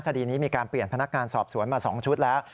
คดีนี้มีการเปลี่ยนพนักงานสอบสวนมา๒ชุดแล้ว